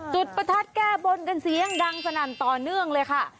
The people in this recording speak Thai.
ประทัดแก้บนกันเสียงดังสนั่นต่อเนื่องเลยค่ะ